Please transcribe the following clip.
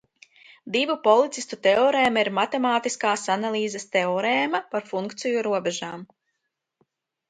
Divu policistu teorēma ir matemātiskās analīzes teorēma par funkciju robežām.